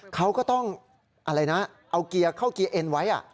เขาก็ต้องอะไรนะเอาเกียร์เข้าเกียร์เอ็นไว้